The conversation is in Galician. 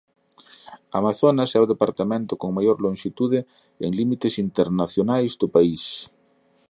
Amazonas é o departamento con maior lonxitude en límites internacionais do país.